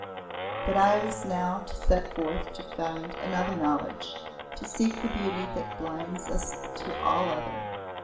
But I was now to set forth to find another knowledge to seek the Beauty that blinds us to all other.